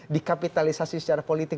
dikapitalisasi secara politik